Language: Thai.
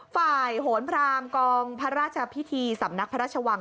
โหนพรามกองพระราชพิธีสำนักพระราชวัง